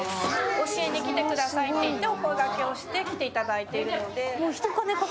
教えに来てくださいって言ってお声掛けをして来ていただいているので。